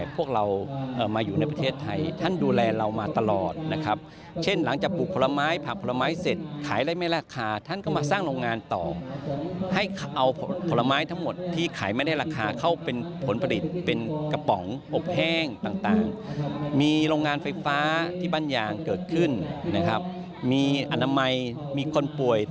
พระอาทิตย์บ้านยางเกิดขึ้นนะครับมีอนามัยมีคนป่วย